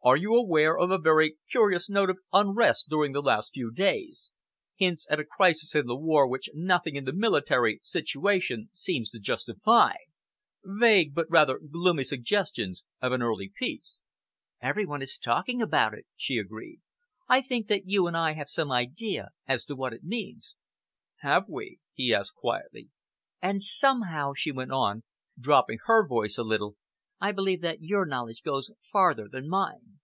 "Are you aware of a very curious note of unrest during the last few days hints at a crisis in the war which nothing in the military situation seems to justify vague but rather gloomy suggestions of an early peace?" "Every one is talking about it," she agreed. "I think that you and I have some idea as to what it means." "Have we?" he asked quietly. "And somehow," she went on, dropping her voice a little, "I believe that your knowledge goes farther than mine."